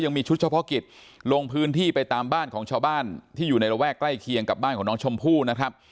ชุดเฉพาะกิจลงพื้นที่ไปตามบ้านของชาวบ้านที่อยู่ในระแวกใกล้เคียงกับบ้านของน้องชมพู่นะครับ